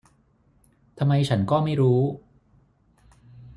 ทำไมฉันก็ไม่รู้